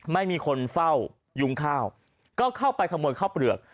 ไม่มีคนเฝ้ายุงข้าวก็เข้าไปขโมยข้าวเปลือก